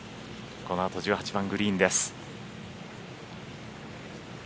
このあと１８番グリーンです。